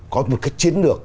có một cách chiến lược